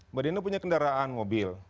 mbak dino punya kendaraan mobil